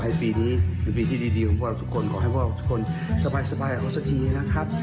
ขอให้พวกเราทุกคนสบายเขาสักทีนะครับ